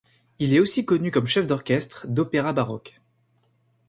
Il est aussi connu comme chef d'orchestre d'opéra baroque.